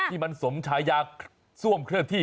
ที่มันสมชายาซ่วมเคลื่อนที่